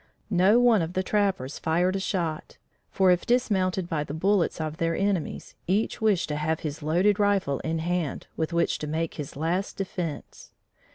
No one of the trappers fired a shot, for if dismounted by the bullets of their enemies, each wished to have his loaded rifle in hand, with which to make his last defense.